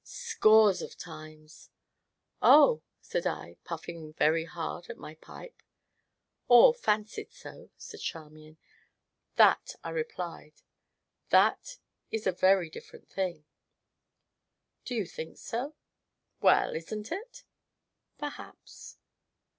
"Scores of times!" "Oh!" said I, puffing very hard at my pipe "Or fancied so," said Charmian. "That," I replied, "that is a very different thing!" "Do you think so?" "Well isn't it?" "Perhaps."